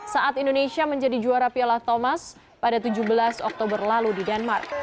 saat indonesia menjadi juara piala thomas pada tujuh belas oktober lalu di denmark